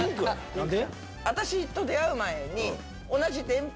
何で？